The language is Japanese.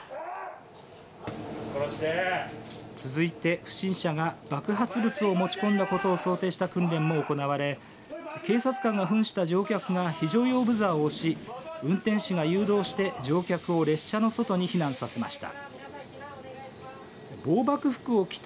続いて不審者が爆発物を持ち込んだことを想定した訓練も行われ警察官がふんした乗客が非常用ブザーを押し運転士が誘導し、乗客を列車の外に避難させました。